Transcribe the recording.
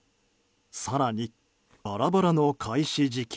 更に、バラバラの開始時期。